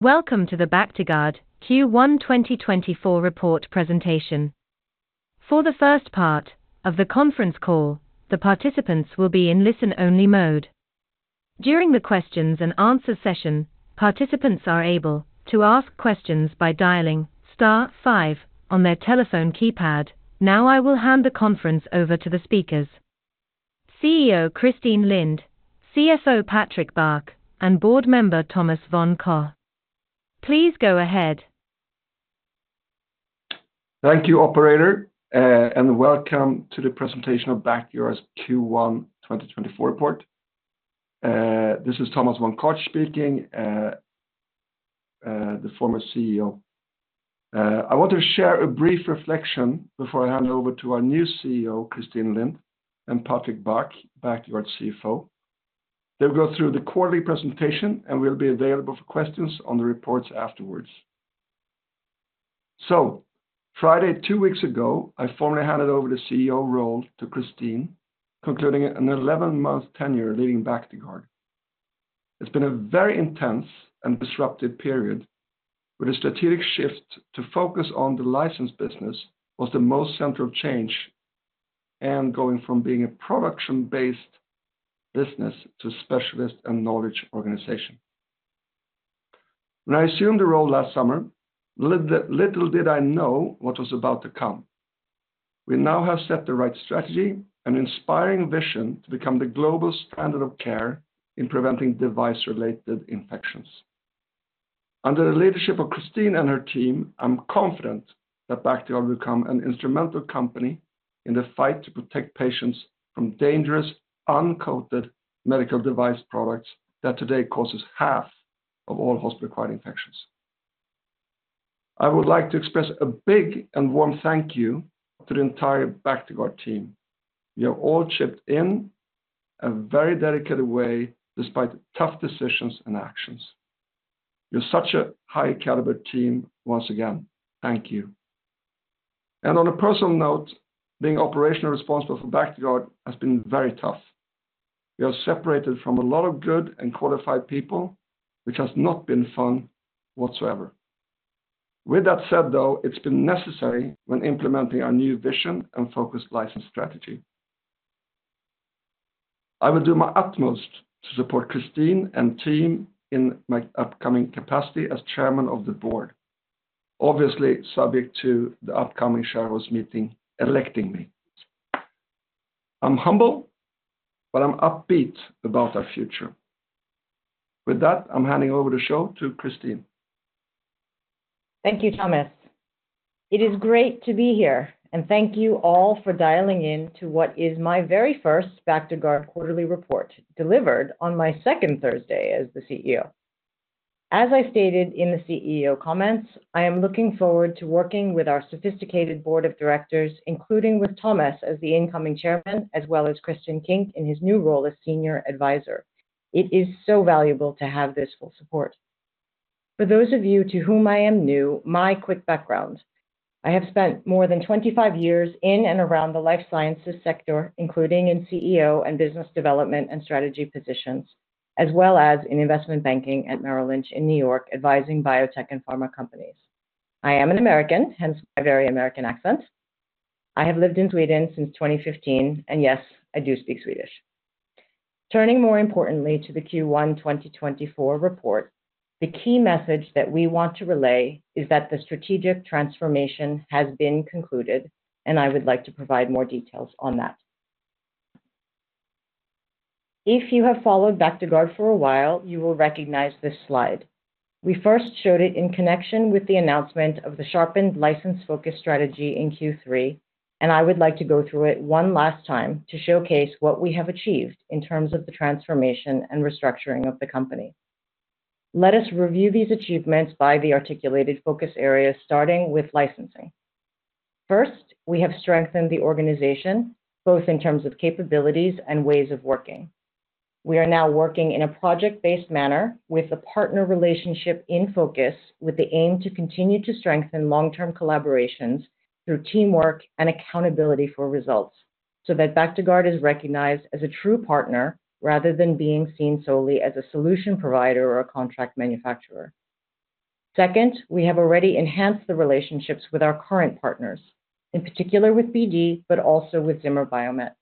Welcome to the Bactiguard Q1 2024 Report Presentation. For the first part of the conference call, the participants will be in listen-only mode. During the questions-and-answers session, participants are able to ask questions by dialing star five on their telephone keypad. Now I will hand the conference over to the speakers: CEO Christine Lind, CFO Patrick Bach, and board member Thomas von Koch. Please go ahead. Thank you, operator, and welcome to the presentation of Bactiguard's Q1 2024 report. This is Thomas von Koch speaking, the former CEO. I want to share a brief reflection before I hand over to our new CEO, Christine Lind, and Patrick Bach, Bactiguard CFO. They'll go through the quarterly presentation and will be available for questions on the reports afterwards. So, Friday two weeks ago, I formally handed over the CEO role to Christine, concluding an 11-month tenure leading Bactiguard. It's been a very intense and disruptive period where the strategic shift to focus on the license business was the most central change and going from being a production-based business to a specialist and knowledge organization. When I assumed the role last summer, little did I know what was about to come. We now have set the right strategy and inspiring vision to become the global standard of care in preventing device-related infections. Under the leadership of Christine and her team, I'm confident that Bactiguard will become an instrumental company in the fight to protect patients from dangerous uncoated medical device products that today causes half of all hospital-acquired infections. I would like to express a big and warm thank you to the entire Bactiguard team. You have all chipped in a very dedicated way despite tough decisions and actions. You're such a high-caliber team. Once again, thank you. And on a personal note, being operationally responsible for Bactiguard has been very tough. We have separated from a lot of good and qualified people, which has not been fun whatsoever. With that said, though, it's been necessary when implementing our new vision and focused license strategy. I will do my utmost to support Christine and team in my upcoming capacity as chairman of the board, obviously subject to the upcoming shareholders' meeting electing me. I'm humble, but I'm upbeat about our future. With that, I'm handing over the show to Christine. Thank you, Thomas. It is great to be here, and thank you all for dialing in to what is my very first Bactiguard quarterly report delivered on my second Thursday as the CEO. As I stated in the CEO comments, I am looking forward to working with our sophisticated board of directors, including with Thomas as the incoming chairman as well as Christian Kinch in his new role as senior advisor. It is so valuable to have this full support. For those of you to whom I am new, my quick background: I have spent more than 25 years in and around the life sciences sector, including in CEO and business development and strategy positions, as well as in investment banking at Merrill Lynch in New York advising biotech and pharma companies. I am an American, hence my very American accent. I have lived in Sweden since 2015, and yes, I do speak Swedish. Turning more importantly to the Q1 2024 report, the key message that we want to relay is that the strategic transformation has been concluded, and I would like to provide more details on that. If you have followed Bactiguard for a while, you will recognize this slide. We first showed it in connection with the announcement of the sharpened license-focused strategy in Q3, and I would like to go through it one last time to showcase what we have achieved in terms of the transformation and restructuring of the company. Let us review these achievements by the articulated focus areas, starting with licensing. First, we have strengthened the organization both in terms of capabilities and ways of working. We are now working in a project-based manner with a partner relationship in focus with the aim to continue to strengthen long-term collaborations through teamwork and accountability for results so that Bactiguard is recognized as a true partner rather than being seen solely as a solution provider or a contract manufacturer. Second, we have already enhanced the relationships with our current partners, in particular with BD but also with Zimmer Biomet.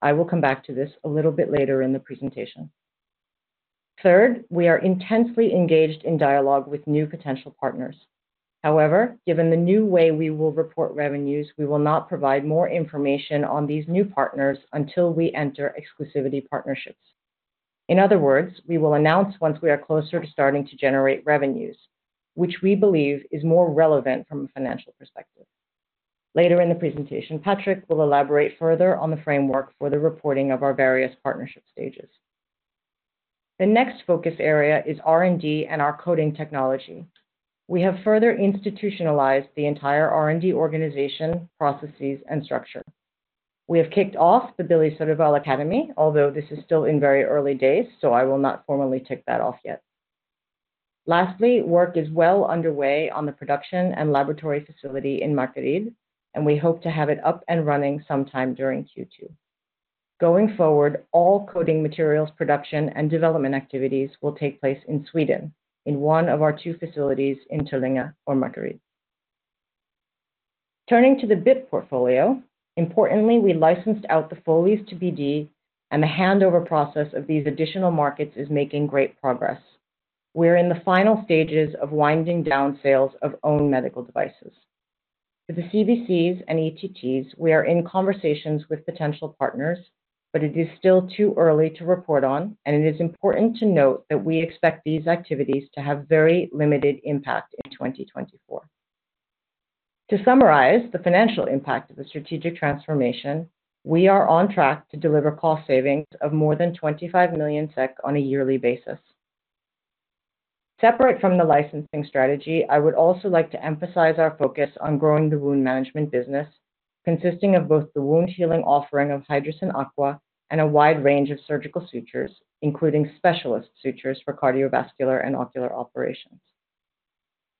I will come back to this a little bit later in the presentation. Third, we are intensely engaged in dialogue with new potential partners. However, given the new way we will report revenues, we will not provide more information on these new partners until we enter exclusivity partnerships. In other words, we will announce once we are closer to starting to generate revenues, which we believe is more relevant from a financial perspective. Later in the presentation, Patrick will elaborate further on the framework for the reporting of our various partnership stages. The next focus area is R&D and our coating technology. We have further institutionalized the entire R&D organization, processes, and structure. We have kicked off the Billy Södervall Academy, although this is still in very early days, so I will not formally tick that off yet. Lastly, work is well underway on the production and laboratory facility in Markaryd, and we hope to have it up and running sometime during Q2. Going forward, all coating materials production and development activities will take place in Sweden in one of our two facilities in Tullinge or Markaryd. Turning to the BIP portfolio, importantly, we licensed out the Foleys to BD, and the handover process of these additional markets is making great progress. We're in the final stages of winding down sales of owned medical devices. For the CVCs and ETTs, we are in conversations with potential partners, but it is still too early to report on, and it is important to note that we expect these activities to have very limited impact in 2024. To summarize the financial impact of the strategic transformation, we are on track to deliver cost savings of more than 25 million SEK on a yearly basis. Separate from the licensing strategy, I would also like to emphasize our focus on growing the wound management business, consisting of both the wound healing offering of Hydrocyn Aqua and a wide range of surgical sutures, including specialist sutures for cardiovascular and ocular operations.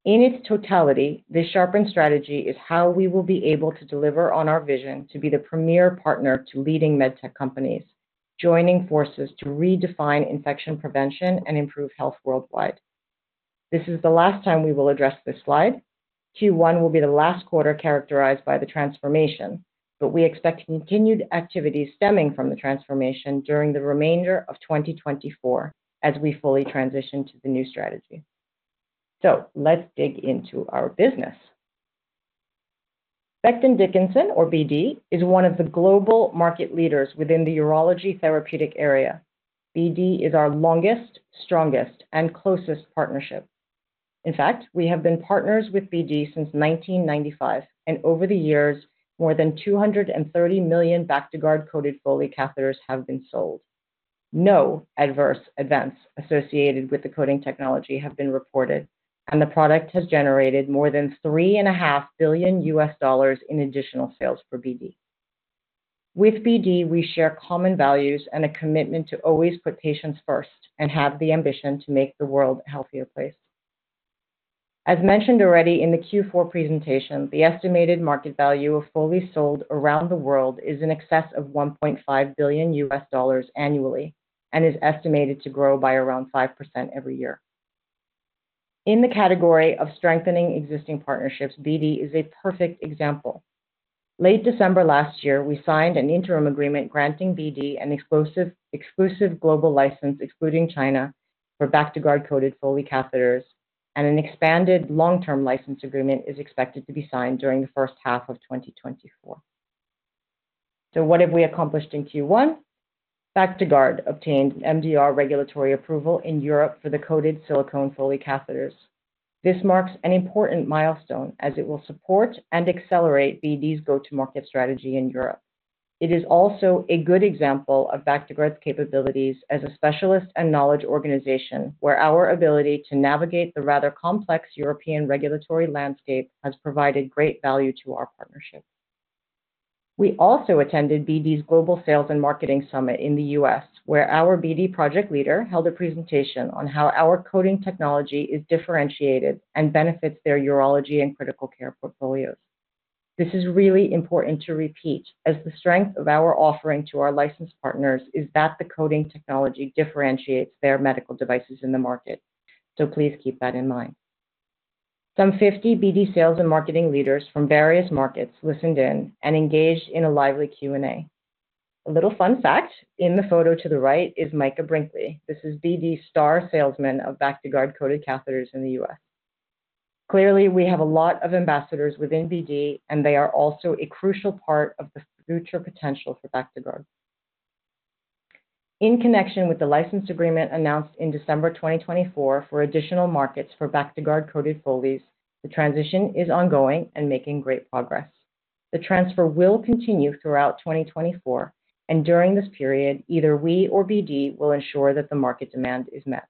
In its totality, this sharpened strategy is how we will be able to deliver on our vision to be the premier partner to leading medtech companies, joining forces to redefine infection prevention and improve health worldwide. This is the last time we will address this slide. Q1 will be the last quarter characterized by the transformation, but we expect continued activities stemming from the transformation during the remainder of 2024 as we fully transition to the new strategy. So let's dig into our business. Becton Dickinson, or BD, is one of the global market leaders within the urology therapeutic area. BD is our longest, strongest, and closest partnership. In fact, we have been partners with BD since 1995, and over the years, more than 230 million Bactiguard coated Foley catheters have been sold. No adverse events associated with the coating technology have been reported, and the product has generated more than $3.5 billion in additional sales for BD. With BD, we share common values and a commitment to always put patients first and have the ambition to make the world a healthier place. As mentioned already in the Q4 presentation, the estimated market value of Foleys sold around the world is in excess of $1.5 billion annually and is estimated to grow by around 5% every year. In the category of strengthening existing partnerships, BD is a perfect example. Late December last year, we signed an interim agreement granting BD an exclusive global license excluding China for Bactiguard coated Foley catheters, and an expanded long-term license agreement is expected to be signed during the first half of 2024. So what have we accomplished in Q1? Bactiguard obtained MDR regulatory approval in Europe for the coated silicone Foley catheters. This marks an important milestone as it will support and accelerate BD's go-to-market strategy in Europe. It is also a good example of Bactiguard's capabilities as a specialist and knowledge organization, where our ability to navigate the rather complex European regulatory landscape has provided great value to our partnership. We also attended BD's Global Sales and Marketing Summit in the U.S., where our BD project leader held a presentation on how our coating technology is differentiated and benefits their urology and critical care portfolios. This is really important to repeat, as the strength of our offering to our license partners is that the coating technology differentiates their medical devices in the market. So please keep that in mind. Some 50 BD sales and marketing leaders from various markets listened in and engaged in a lively Q&A. A little fun fact: In the photo to the right is Micah Brinkley. This is BD's star salesman of Bactiguard coated catheters in the U.S. Clearly, we have a lot of ambassadors within BD, and they are also a crucial part of the future potential for Bactiguard. In connection with the license agreement announced in December 2024 for additional markets for Bactiguard coated Foleys, the transition is ongoing and making great progress. The transfer will continue throughout 2024, and during this period, either we or BD will ensure that the market demand is met.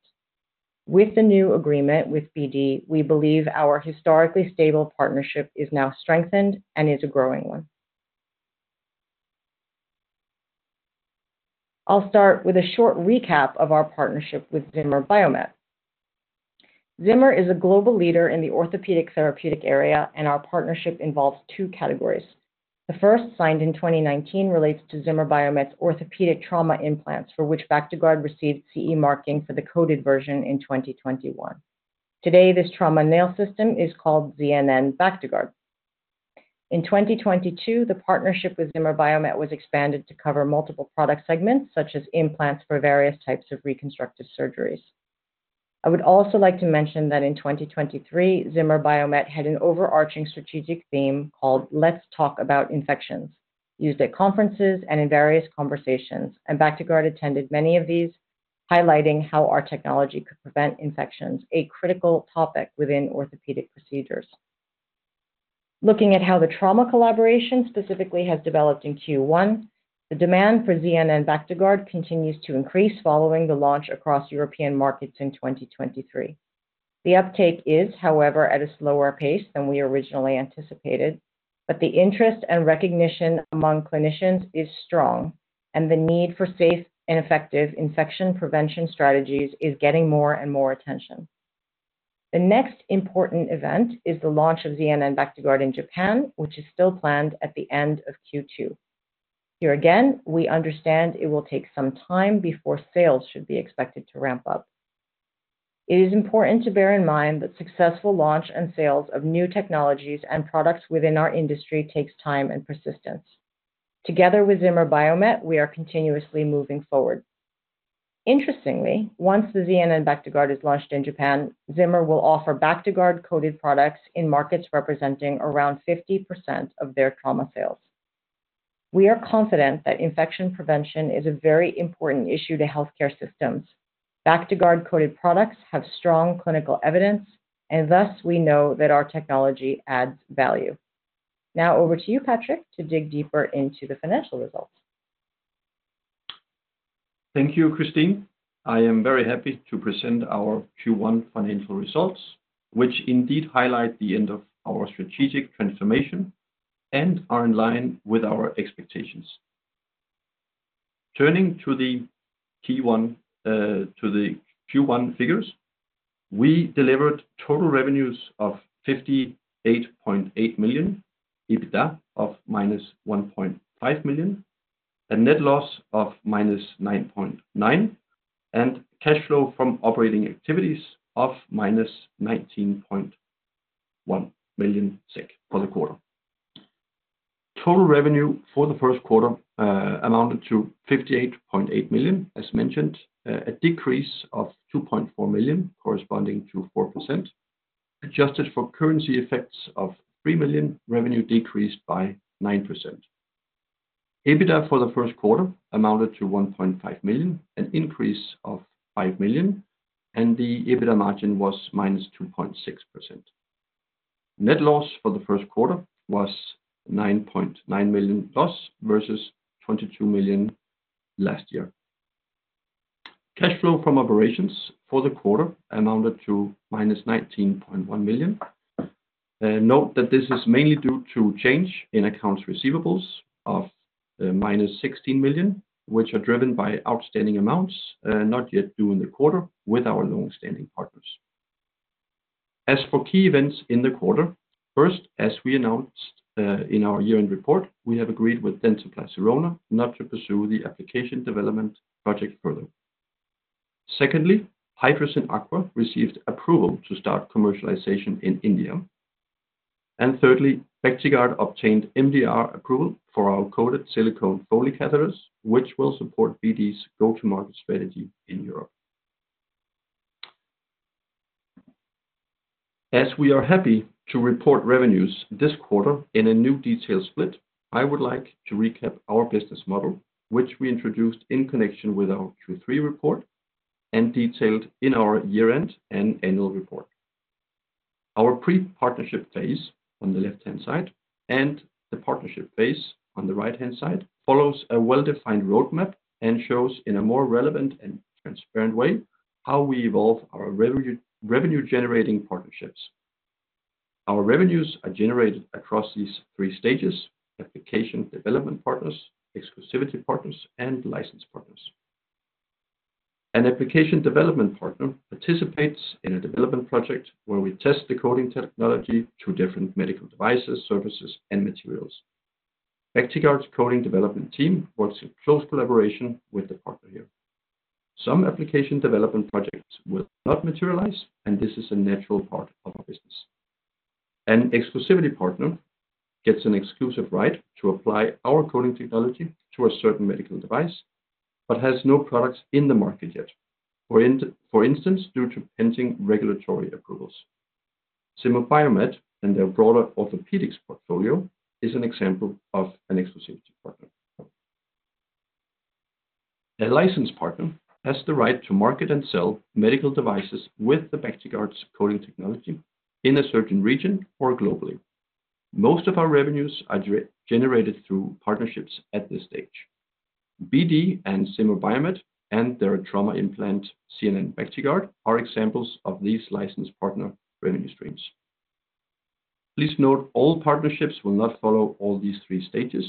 With the new agreement with BD, we believe our historically stable partnership is now strengthened and is a growing one. I'll start with a short recap of our partnership with Zimmer Biomet. Zimmer is a global leader in the orthopedic therapeutic area, and our partnership involves two categories. The first, signed in 2019, relates to Zimmer Biomet's orthopedic trauma implants for which Bactiguard received CE Marking for the coated version in 2021. Today, this trauma nail system is called ZNN Bactiguard. In 2022, the partnership with Zimmer Biomet was expanded to cover multiple product segments such as implants for various types of reconstructive surgeries. I would also like to mention that in 2023, Zimmer Biomet had an overarching strategic theme called "Let's Talk About Infections," used at conferences and in various conversations, and Bactiguard attended many of these, highlighting how our technology could prevent infections, a critical topic within orthopedic procedures. Looking at how the trauma collaboration specifically has developed in Q1, the demand for ZNN Bactiguard continues to increase following the launch across European markets in 2023. The uptake is, however, at a slower pace than we originally anticipated, but the interest and recognition among clinicians is strong, and the need for safe and effective infection prevention strategies is getting more and more attention. The next important event is the launch of ZNN Bactiguard in Japan, which is still planned at the end of Q2. Here again, we understand it will take some time before sales should be expected to ramp up. It is important to bear in mind that successful launch and sales of new technologies and products within our industry takes time and persistence. Together with Zimmer Biomet, we are continuously moving forward. Interestingly, once the ZNN Bactiguard is launched in Japan, Zimmer will offer Bactiguard coated products in markets representing around 50% of their trauma sales. We are confident that infection prevention is a very important issue to healthcare systems. Bactiguard coated products have strong clinical evidence, and thus we know that our technology adds value. Now over to you, Patrick, to dig deeper into the financial results. Thank you, Christine. I am very happy to present our Q1 financial results, which indeed highlight the end of our strategic transformation and are in line with our expectations. Turning to the Q1 figures, we delivered total revenues of 58.8 million, EBITDA of -1.5 million, a net loss of -9.9 million, and cash flow from operating activities of -19.1 million SEK for the quarter. Total revenue for the first quarter amounted to 58.8 million, as mentioned, a decrease of 2.4 million corresponding to 4%, adjusted for currency effects of 3 million, revenue decreased by 9%. EBITDA for the first quarter amounted to 1.5 million, an increase of 5 million, and the EBITDA margin was -2.6%. Net loss for the first quarter was 9.9 million loss versus 22 million last year. Cash flow from operations for the quarter amounted to -19.1 million. Note that this is mainly due to change in accounts receivables of -16 million, which are driven by outstanding amounts not yet due in the quarter with our longstanding partners. As for key events in the quarter, first, as we announced in our year-end report, we have agreed with Dentsply Sirona not to pursue the application development project further. Secondly, Hydrocyn Aqua received approval to start commercialization in India. And thirdly, Bactiguard obtained MDR approval for our coated silicone Foley catheters, which will support BD's go-to-market strategy in Europe. As we are happy to report revenues this quarter in a new detailed split, I would like to recap our business model, which we introduced in connection with our Q3 report and detailed in our year-end and annual report. Our pre-partnership phase on the left-hand side and the partnership phase on the right-hand side follows a well-defined roadmap and shows, in a more relevant and transparent way, how we evolve our revenue-generating partnerships. Our revenues are generated across these three stages: application development partners, exclusivity partners, and license partners. An application development partner participates in a development project where we test the coating technology to different medical devices, services, and materials. Bactiguard's coating development team works in close collaboration with the partner here. Some application development projects will not materialize, and this is a natural part of our business. An exclusivity partner gets an exclusive right to apply our coating technology to a certain medical device but has no products in the market yet, for instance, due to pending regulatory approvals. Zimmer Biomet and their broader orthopedics portfolio is an example of an exclusivity partner. A license partner has the right to market and sell medical devices with Bactiguard's coating technology in a certain region or globally. Most of our revenues are generated through partnerships at this stage. BD and Zimmer Biomet and their trauma implant ZNN Bactiguard are examples of these license partner revenue streams. Please note all partnerships will not follow all these three stages,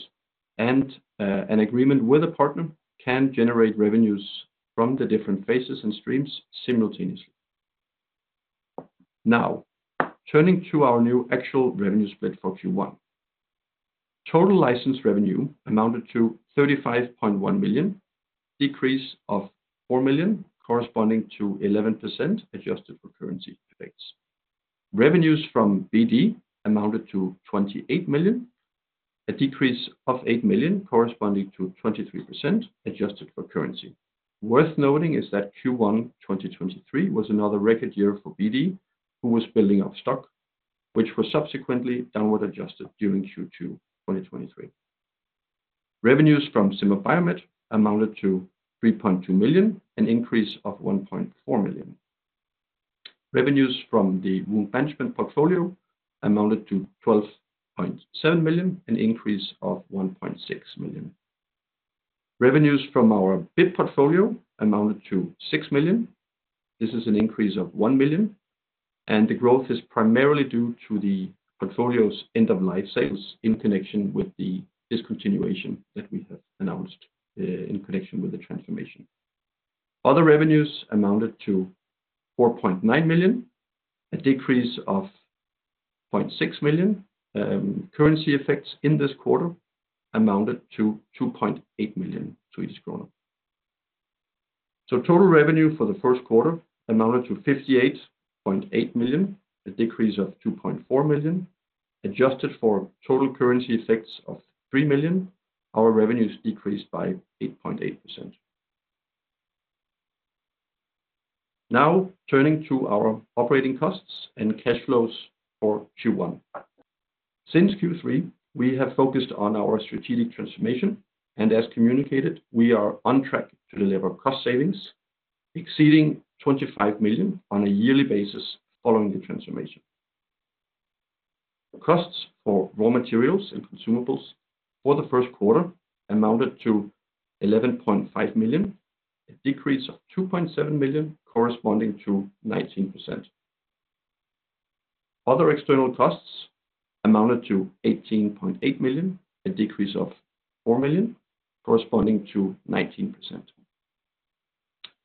and an agreement with a partner can generate revenues from the different phases and streams simultaneously. Now, turning to our new actual revenue split for Q1. Total license revenue amounted to 35.1 million, decrease of 4 million corresponding to 11% adjusted for currency effects. Revenues from BD amounted to 28 million, a decrease of 8 million corresponding to 23% adjusted for currency. Worth noting is that Q1 2023 was another record year for BD, who was building up stock, which was subsequently downward adjusted during Q2 2023. Revenues from Zimmer Biomet amounted to 3.2 million, an increase of 1.4 million. Revenues from the wound management portfolio amounted to 12.7 million, an increase of 1.6 million. Revenues from our BIP portfolio amounted to 6 million. This is an increase of 1 million, and the growth is primarily due to the portfolio's end-of-life sales in connection with the discontinuation that we have announced in connection with the transformation. Other revenues amounted to 4.9 million, a decrease of 0.6 million. Currency effects in this quarter amounted to 2.8 million Swedish kronor. So total revenue for the first quarter amounted to 58.8 million, a decrease of 2.4 million. Adjusted for total currency effects of 3 million, our revenues decreased by 8.8%. Now, turning to our operating costs and cash flows for Q1. Since Q3, we have focused on our strategic transformation, and as communicated, we are on track to deliver cost savings exceeding 25 million on a yearly basis following the transformation. Costs for raw materials and consumables for the first quarter amounted to 11.5 million, a decrease of 2.7 million corresponding to 19%. Other external costs amounted to 18.8 million, a decrease of 4 million corresponding to 19%.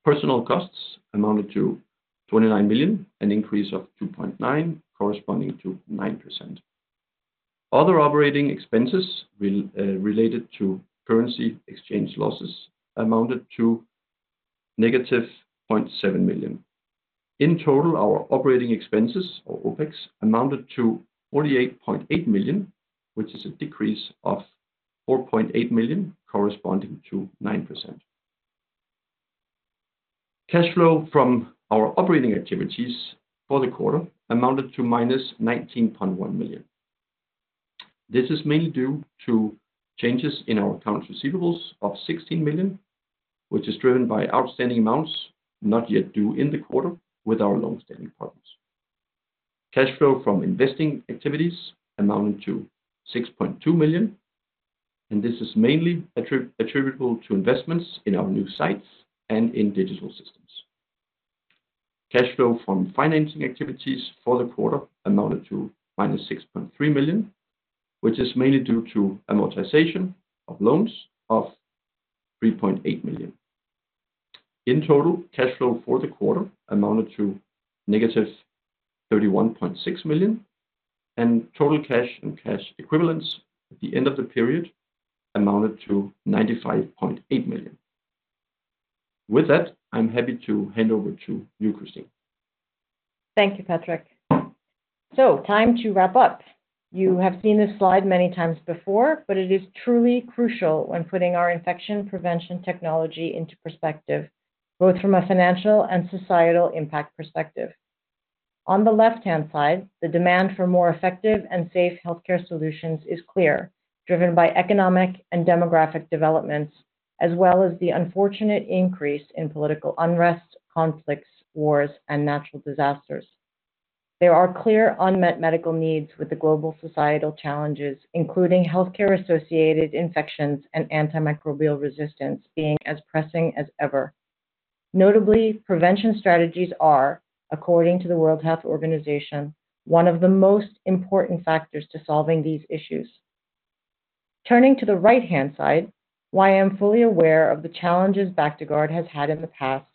Personnel costs amounted to 29 million, an increase of 2.9 corresponding to 9%. Other operating expenses related to currency exchange losses amounted to -0.7 million. In total, our operating expenses or OPEX amounted to 48.8 million, which is a decrease of 4.8 million corresponding to 9%. Cash flow from our operating activities for the quarter amounted to -19.1 million. This is mainly due to changes in our accounts receivables of 16 million, which is driven by outstanding amounts not yet due in the quarter with our longstanding partners. Cash flow from investing activities amounted to 6.2 million, and this is mainly attributable to investments in our new sites and in digital systems. Cash flow from financing activities for the quarter amounted to -6.3 million, which is mainly due to amortization of loans of 3.8 million. In total, cash flow for the quarter amounted to -31.6 million, and total cash and cash equivalents at the end of the period amounted to 95.8 million. With that, I'm happy to hand over to you, Christine. Thank you, Patrick. So time to wrap up. You have seen this slide many times before, but it is truly crucial when putting our infection prevention technology into perspective, both from a financial and societal impact perspective. On the left-hand side, the demand for more effective and safe healthcare solutions is clear, driven by economic and demographic developments, as well as the unfortunate increase in political unrest, conflicts, wars, and natural disasters. There are clear unmet medical needs with the global societal challenges, including healthcare-associated infections and antimicrobial resistance being as pressing as ever. Notably, prevention strategies are, according to the World Health Organization, one of the most important factors to solving these issues. Turning to the right-hand side, while I am fully aware of the challenges Bactiguard has had in the past,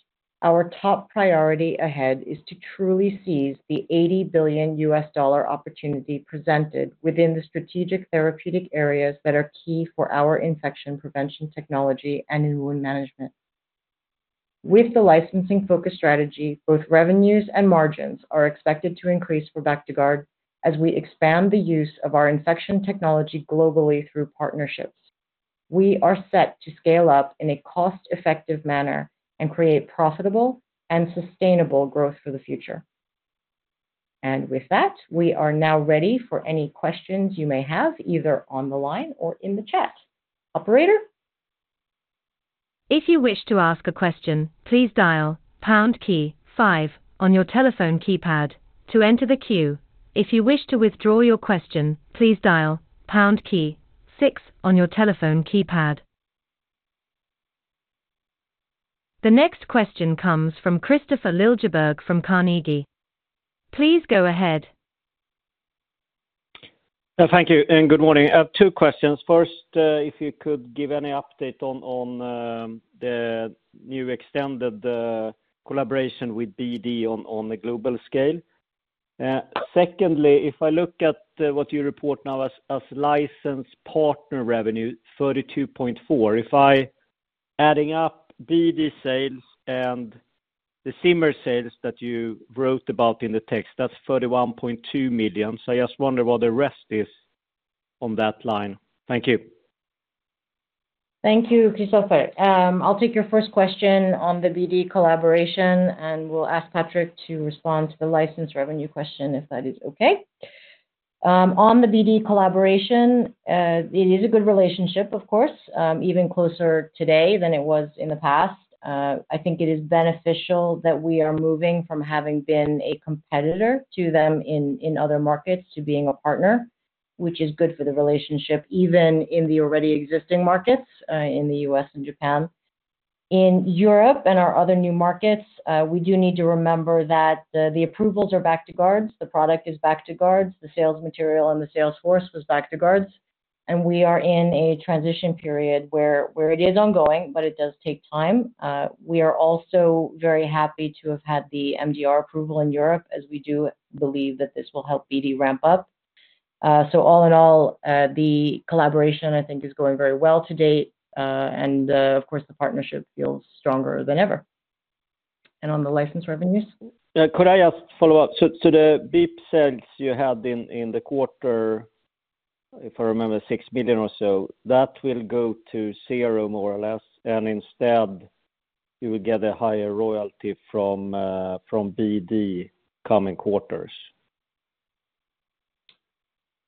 our top priority ahead is to truly seize the $80 billion opportunity presented within the strategic therapeutic areas that are key for our infection prevention technology and in wound management. With the licensing-focused strategy, both revenues and margins are expected to increase for Bactiguard as we expand the use of our infection technology globally through partnerships. We are set to scale up in a cost-effective manner and create profitable and sustainable growth for the future. With that, we are now ready for any questions you may have, either on the line or in the chat. Operator? If you wish to ask a question, please dial pound key five on your telephone keypad to enter the queue. If you wish to withdraw your question, please dial pound key six on your telephone keypad. The next question comes from Kristofer Liljeberg from Carnegie. Please go ahead. Thank you, and good morning. I have two questions. First, if you could give any update on the new extended collaboration with BD on a global scale? Secondly, if I look at what you report now as license partner revenue, 32.4 million. If I'm adding up BD sales and the Zimmer sales that you wrote about in the text, that's 31.2 million. So I just wonder what the rest is on that line. Thank you. Thank you, Kristofer. I'll take your first question on the BD collaboration, and we'll ask Patrick to respond to the license revenue question if that is okay. On the BD collaboration, it is a good relationship, of course, even closer today than it was in the past. I think it is beneficial that we are moving from having been a competitor to them in other markets to being a partner, which is good for the relationship, even in the already existing markets in the U.S. and Japan. In Europe and our other new markets, we do need to remember that the approvals are Bactiguard's, the product is Bactiguard's, the sales material and the sales force was Bactiguard's, and we are in a transition period where it is ongoing, but it does take time. We are also very happy to have had the MDR approval in Europe, as we do believe that this will help BD ramp up. So all in all, the collaboration, I think, is going very well to date, and of course, the partnership feels stronger than ever. And on the license revenues? Could I just follow up? So the BIP sales you had in the quarter, if I remember, 6 million or so, that will go to zero more or less, and instead, you will get a higher royalty from BD coming quarters?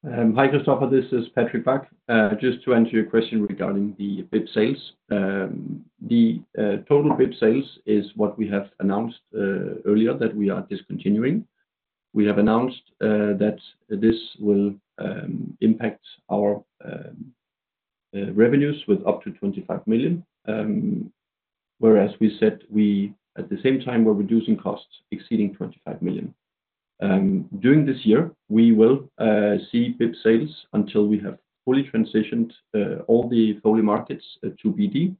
Hi, Kristopher. This is Patrick Bach. Just to answer your question regarding the BIP sales, the total BIP sales is what we have announced earlier that we are discontinuing. We have announced that this will impact our revenues with up to 25 million, whereas we said we, at the same time, were reducing costs exceeding 25 million. During this year, we will see BIP sales until we have fully transitioned all the Foley markets to BD.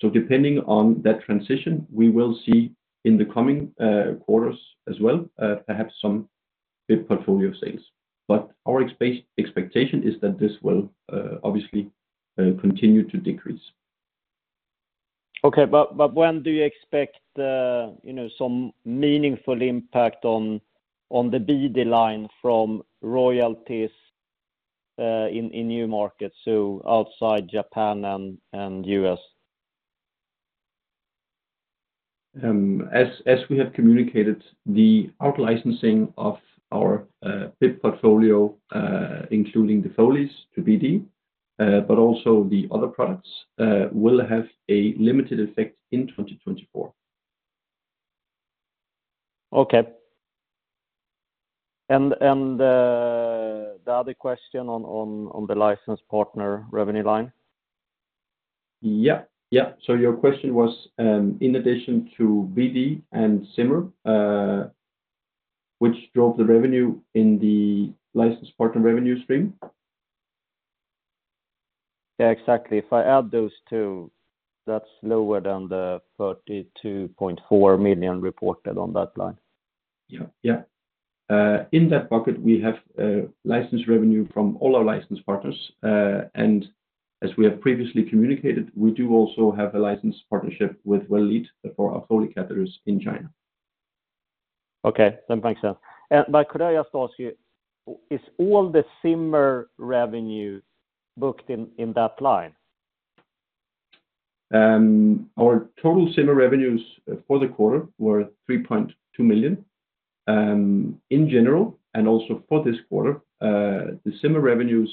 So depending on that transition, we will see in the coming quarters as well, perhaps some BIP portfolio sales. But our expectation is that this will obviously continue to decrease. Okay, but when do you expect some meaningful impact on the BD line from royalties in new markets, so outside Japan and U.S.? As we have communicated, the outlicensing of our BIP portfolio, including the Foleys to BD, but also the other products, will have a limited effect in 2024. Okay. The other question on the license partner revenue line? Yeah, yeah. So your question was, in addition to BD and Zimmer, which drove the revenue in the license partner revenue stream? Yeah, exactly. If I add those two, that's lower than the 32.4 million reported on that line. Yeah, yeah. In that bucket, we have license revenue from all our license partners. And as we have previously communicated, we do also have a license partnership with Well Lead for our Foley catheters in China. Okay, that makes sense. But could I just ask you, is all the Zimmer revenue booked in that line? Our total Zimmer revenues for the quarter were 3.2 million. In general, and also for this quarter, the Zimmer revenues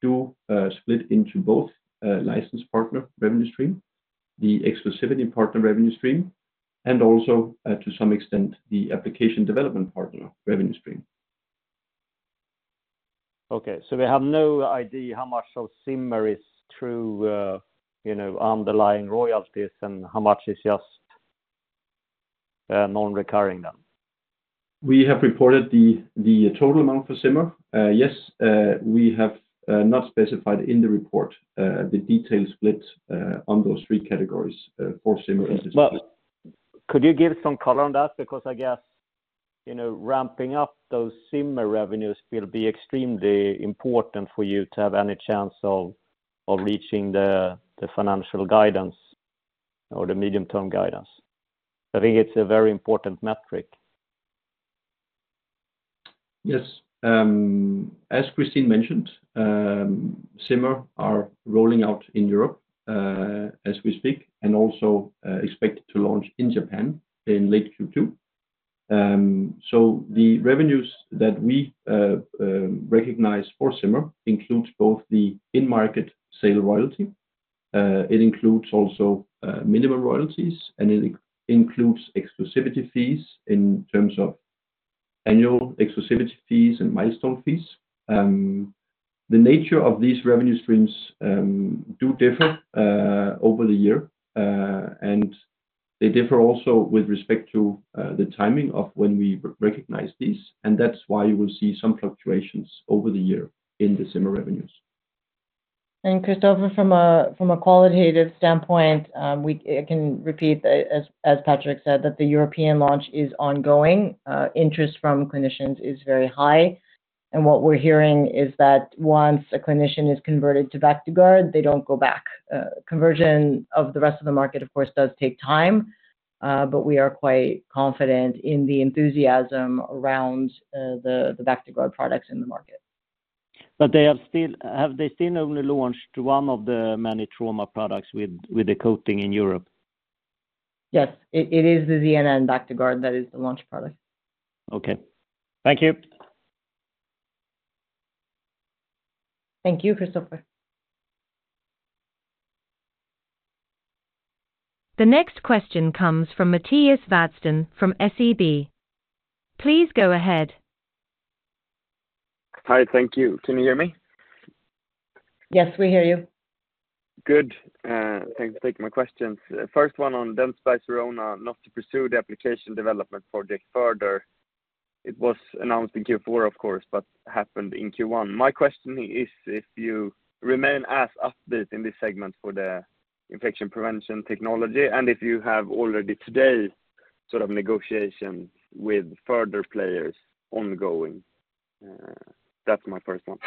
do split into both license partner revenue stream, the exclusivity partner revenue stream, and also, to some extent, the application development partner revenue stream. Okay, so we have no idea how much of Zimmer is through underlying royalties and how much is just non-recurring then? We have reported the total amount for Zimmer. Yes, we have not specified in the report the detailed split on those three categories for Zimmer in this case. Could you give some color on that? Because I guess ramping up those Zimmer revenues will be extremely important for you to have any chance of reaching the financial guidance or the medium-term guidance. I think it's a very important metric. Yes. As Christine mentioned, Zimmer are rolling out in Europe as we speak and also expect to launch in Japan in late Q2. So the revenues that we recognize for Zimmer include both the in-market sale royalty. It includes also minimum royalties, and it includes exclusivity fees in terms of annual exclusivity fees and milestone fees. The nature of these revenue streams do differ over the year, and they differ also with respect to the timing of when we recognize these. And that's why you will see some fluctuations over the year in the Zimmer revenues. Christopher, from a qualitative standpoint, I can repeat, as Patrick said, that the European launch is ongoing. Interest from clinicians is very high. What we're hearing is that once a clinician is converted to Bactiguard, they don't go back. Conversion of the rest of the market, of course, does take time, but we are quite confident in the enthusiasm around the Bactiguard products in the market. Have they still only launched one of the many Trauma products with the coating in Europe? Yes, it is the ZNN Bactiguard that is the launch product. Okay. Thank you. Thank you, Christopher. The next question comes from Mattias Vadsten from SEB. Please go ahead. Hi, thank you. Can you hear me? Yes, we hear you. Good. Thanks for taking my questions. First one on Dentsply Sirona: not to pursue the application development project further. It was announced in Q4, of course, but happened in Q1. My question is if you remain as upbeat in this segment for the infection prevention technology and if you have already today sort of negotiations with further players ongoing. That's my first one.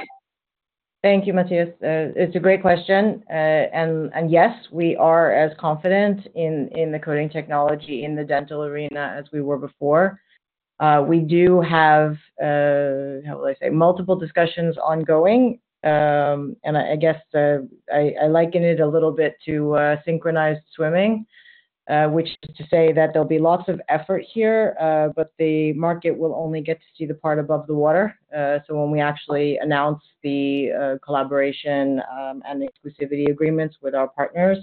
Thank you, Matthias. It's a great question. And yes, we are as confident in the coating technology in the dental arena as we were before. We do have, how will I say, multiple discussions ongoing. And I guess I liken it a little bit to synchronized swimming, which is to say that there'll be lots of effort here, but the market will only get to see the part above the water. So when we actually announce the collaboration and exclusivity agreements with our partners,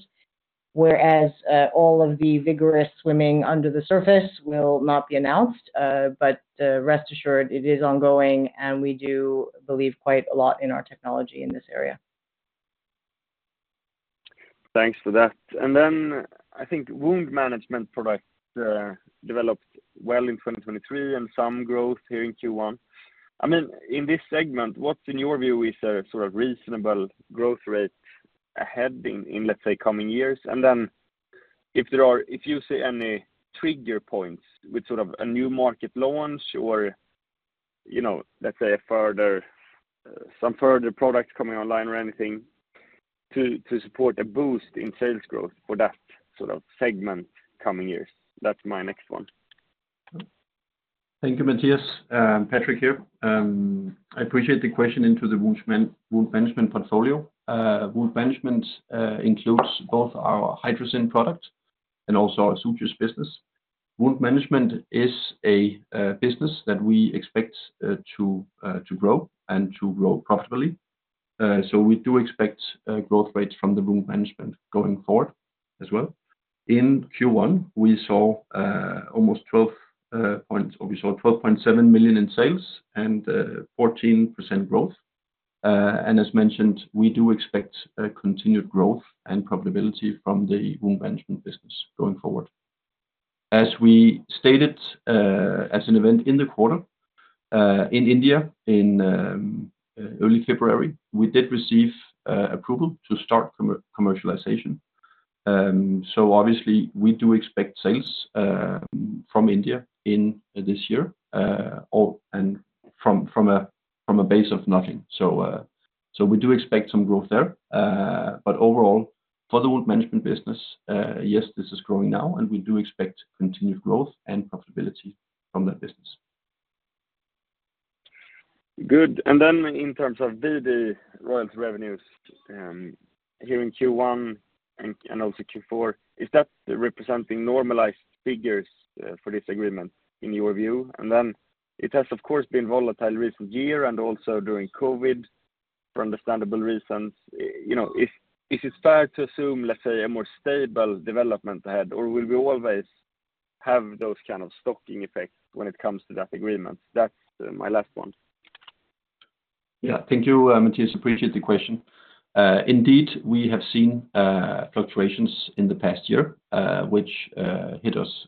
whereas all of the vigorous swimming under the surface will not be announced. But rest assured, it is ongoing, and we do believe quite a lot in our technology in this area. Thanks for that. And then I think wound management products developed well in 2023 and some growth here in Q1. I mean, in this segment, what's in your view is a sort of reasonable growth rate ahead in, let's say, coming years? And then if you see any trigger points with sort of a new market launch or, let's say, some further products coming online or anything to support a boost in sales growth for that sort of segment coming years, that's my next one. Thank you, Mattias. Patrick here. I appreciate the question into the wound management portfolio. Wound management includes both our Hydrocyn product and also our Sutures business. Wound management is a business that we expect to grow and to grow profitably. So we do expect growth rates from the wound management going forward as well. In Q1, we saw almost 12 points or we saw 12.7 million in sales and 14% growth. And as mentioned, we do expect continued growth and profitability from the wound management business going forward. As we stated as an event in the quarter, in India, in early February, we did receive approval to start commercialization. So obviously, we do expect sales from India in this year and from a base of nothing. So we do expect some growth there. Overall, for the wound management business, yes, this is growing now, and we do expect continued growth and profitability from that business. Good. And then in terms of BD royalty revenues here in Q1 and also Q4, is that representing normalized figures for this agreement in your view? And then it has, of course, been volatile recent year and also during COVID for understandable reasons. Is it fair to assume, let's say, a more stable development ahead, or will we always have those kind of stocking effects when it comes to that agreement? That's my last one. Yeah, thank you, Mattias. Appreciate the question. Indeed, we have seen fluctuations in the past year, which hit us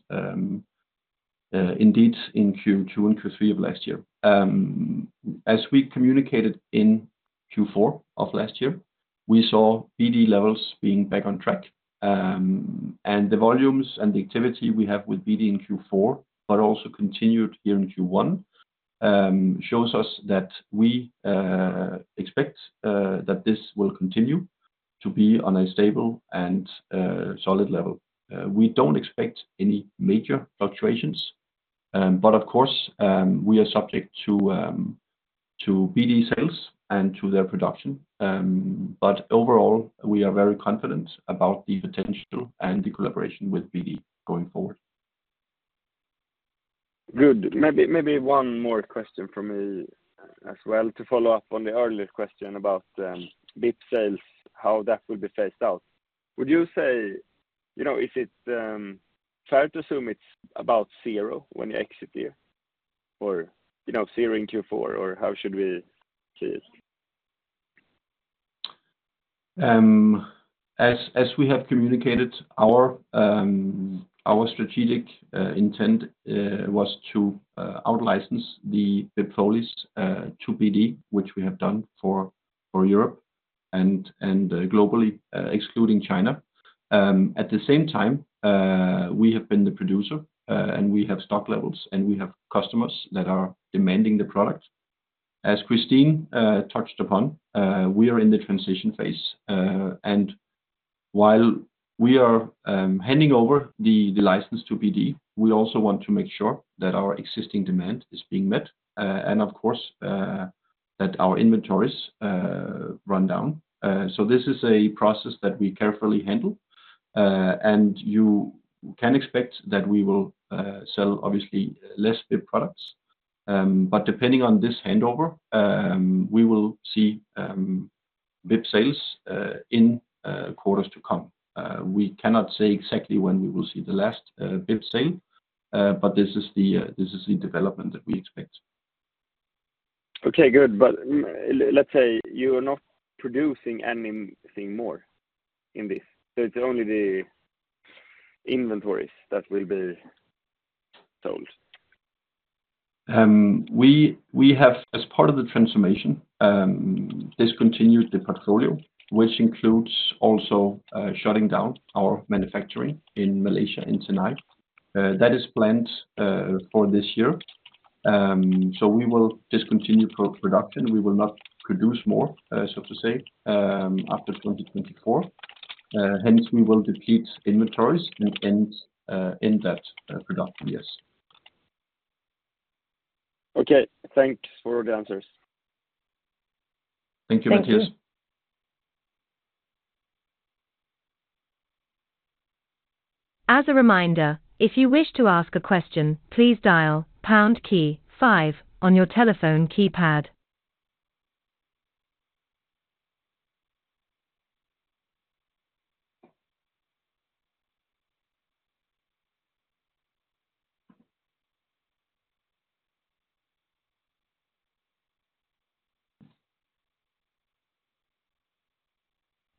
indeed in Q2 and Q3 of last year. As we communicated in Q4 of last year, we saw BD levels being back on track. And the volumes and the activity we have with BD in Q4, but also continued here in Q1, shows us that we expect that this will continue to be on a stable and solid level. We don't expect any major fluctuations. But of course, we are subject to BD sales and to their production. But overall, we are very confident about the potential and the collaboration with BD going forward. Good. Maybe one more question from me as well to follow up on the earlier question about BIP sales, how that will be phased out. Would you say is it fair to assume it's about zero when you exit here or zero in Q4, or how should we see it? As we have communicated, our strategic intent was to outlicense the BIP Foleys to BD, which we have done for Europe and globally, excluding China. At the same time, we have been the producer, and we have stock levels, and we have customers that are demanding the product. As Christine touched upon, we are in the transition phase. While we are handing over the license to BD, we also want to make sure that our existing demand is being met and, of course, that our inventories run down. This is a process that we carefully handle. You can expect that we will sell, obviously, less BIP products. But depending on this handover, we will see BIP sales in quarters to come. We cannot say exactly when we will see the last BIP sale, but this is the development that we expect. Okay, good. But let's say you are not producing anything more in this. So it's only the inventories that will be sold. We have, as part of the transformation, discontinued the portfolio, which includes also shutting down our manufacturing in Malaysia in Senai. That is planned for this year. We will discontinue production. We will not produce more, so to say, after 2024. Hence, we will deplete inventories and end that production, yes. Okay. Thanks for all the answers. Thank you, Mattias. Thank you. As a reminder, if you wish to ask a question, please dial pound key five on your telephone keypad.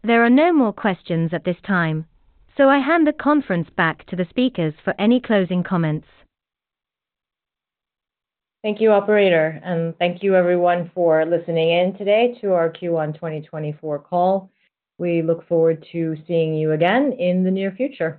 There are no more questions at this time, so I hand the conference back to the speakers for any closing comments. Thank you, operator. Thank you, everyone, for listening in today to our Q1 2024 call. We look forward to seeing you again in the near future.